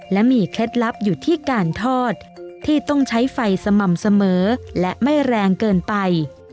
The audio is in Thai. และมีเคล็ดลับอยู่ที่การทอดที่ต้องใช้ไฟสม่ำเสมอและไม่แรงเกินไป